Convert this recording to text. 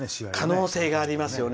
可能性がありますよね。